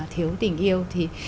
thiếu tình yêu